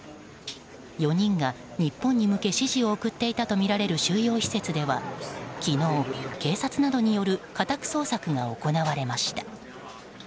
４人が日本に向け指示を送っていたとみられる収容施設では昨日警察などによる家宅捜索が行われました。